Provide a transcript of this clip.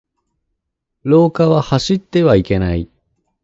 廊下は走ってはいけない。